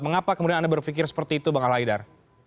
mengapa kemudian anda berpikir seperti itu bang al haidar